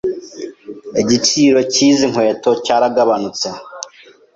Igiciro cyizi nkweto cyaragabanutse.